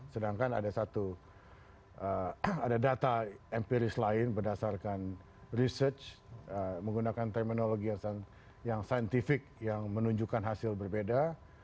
sedangkan ada satu ada data empiris lain berdasarkan research menggunakan terminologi yang scientific yang menunjukkan hasil berbeda